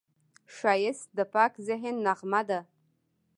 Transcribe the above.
ښایست د پاک ذهن نغمه ده